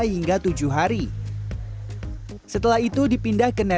kita bisa memprediksi